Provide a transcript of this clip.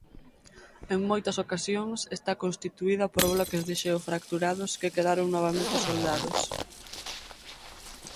En moitas ocasións está constituída por bloques de xeo fracturados que quedaron novamente soldados.